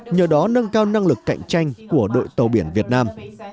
nhờ đó nâng cao năng lực cạnh tranh của đội tàu biển việt nam